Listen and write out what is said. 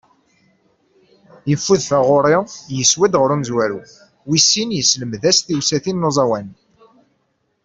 Yeffud taγuṛi yeswa-d γer umezwaru, wis sin yesselmed-as tiwsatin n uẓawan.